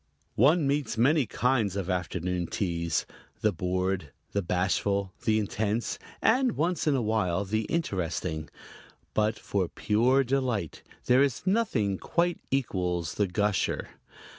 One meets many kinds of afternoon teas the bored, the bashful, the intense, and once in a while the interesting, but for pure delight there is nothing quite equals the gusher.